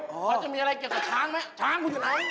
เขาจะมีอะไรเกี่ยวกับช้างไหมช้างคุณอยู่ไหน